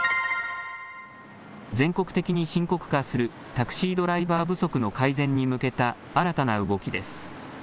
全国的に深刻化するタクシードライバー不足の改善に向けた新たな動きです。